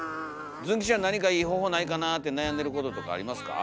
ズン吉は何かいい方法ないかなって悩んでることとかありますか？